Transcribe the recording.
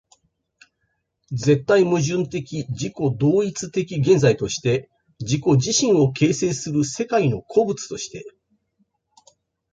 絶対矛盾的自己同一的現在として自己自身を形成する世界の個物として、